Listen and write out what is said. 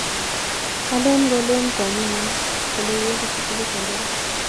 alen ko len kwaningu kole iwendi sukulit ab barak